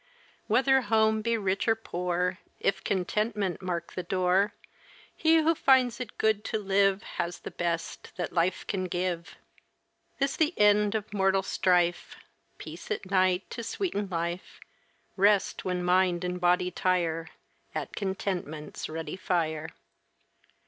Whether home be rich or poor, If contentment mark the door He who finds it good to live Has the best that life can give. This the end of mortal strife! Peace at night to sweeten life, Rest when mind and body tire, At contentment's ruddy fire.